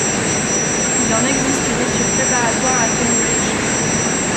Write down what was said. Il en existe une étude préparatoire à Cambridge.